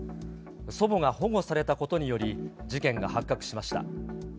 祖母が保護されたことにより、事件が発覚しました。